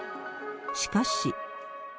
しかし。